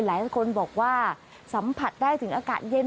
หลายคนบอกว่าสัมผัสได้ถึงอากาศเย็น